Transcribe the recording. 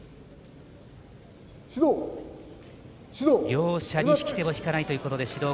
両者に引き手を引かないということで指導。